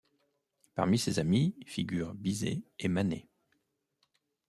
Parmi ses amis figurent Bizet et Manet.